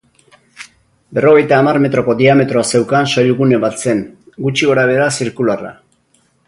Berrogeita hamar metroko diametroa zeukan soilgune bat zen, gutxi gorabehera zirkularra.